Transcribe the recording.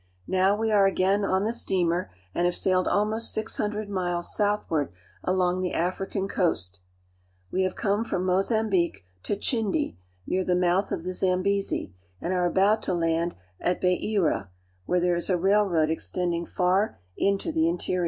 Now we are again on the steamer and have sailed almost six hundred miles southward along the African coast. We have come from Mozambique to Chinde, near the mouth of the Zambezi, and are about to land at Beira (ba'e ra), where there is a railroad extending far into the interior.